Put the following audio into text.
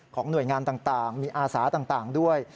หน่วยงานต่างมีอาสาต่างด้วย